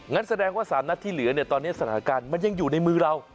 งั้นแสดงว่า๓นัดที่เหลือเนี่ยตอนนี้สถานการณ์มันยังอยู่ในมือเรา